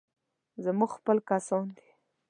زموږ خپل کسان دي.